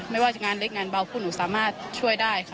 ไม่ว่าจะงานเล็กงานเบาพวกหนูสามารถช่วยได้ค่ะ